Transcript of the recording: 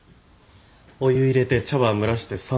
お湯入れて茶葉蒸らして３分。